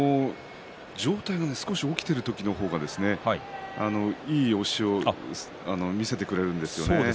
上体が少し起きている時の方がいい押しを見せてくれるんですよね。